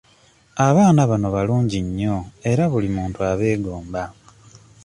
Abaana bano balungi nnyo era buli muntu abeegomba.